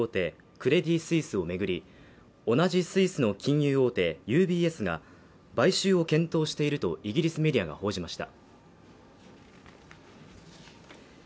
クレディ・スイスを巡り、同じスイスの金融大手ＵＢＳが買収を検討していると、イギリスメディアが報じました。